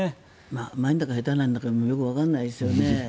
うまいんだか下手なんだかよくわからないですよね。